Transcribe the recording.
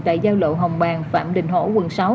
tại giao lộ hồng bàng phạm đình hổ quận sáu